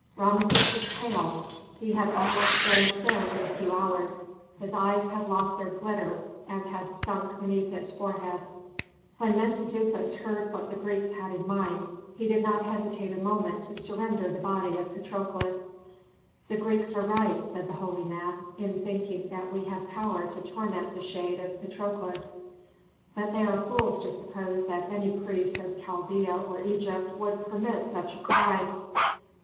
Rameses was pale; he had almost grown thin in a few hours; his eyes had lost their glitter and had sunk beneath his forehead. When Mentezufis heard what the Greeks had in mind he did not hesitate a moment to surrender the body of Patrokles. "The Greeks are right," said the holy man, "in thinking that we have power to torment the shade of Patrokles, but they are fools to suppose that any priest of Chaldea or Egypt would permit such a crime.